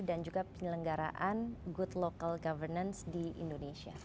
dan juga penyelenggaraan good local governance di indonesia